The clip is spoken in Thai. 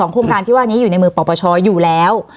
โครงการที่ว่านี้อยู่ในมือปปชอยู่แล้ว